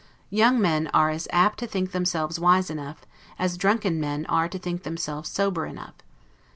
Young men are as apt to think themselves wise enough, as drunken men are to think themselves sober enough.